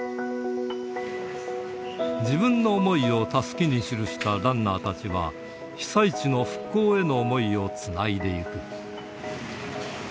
自分の想いをたすきに記したランナーたちは、被災地の復興への想いをつないでいく。